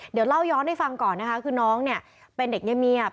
เดี๋ยวเล่าย้อนให้ฟังก่อนนะคะคือน้องเนี่ยเป็นเด็กเงียบ